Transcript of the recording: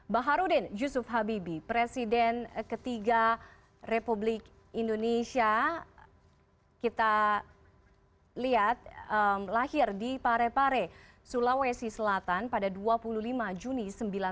baharudin yusuf habibi presiden ketiga republik indonesia kita lihat lahir di parepare sulawesi selatan pada dua puluh lima juni seribu sembilan ratus enam puluh